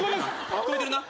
聞こえてるな。